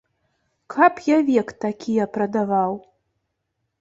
Каб я век такія прадаваў!